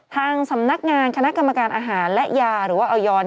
ทางสำนักงานคณะกรรมการอาหารและยาหรือว่าออย